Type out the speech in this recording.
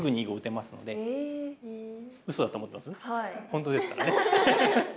本当ですからね。